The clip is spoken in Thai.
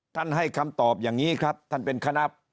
ให้คำตอบอย่างนี้ครับท่านเป็นคณะ